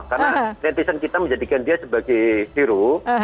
karena netizen kita menjadikan dia sebagai hero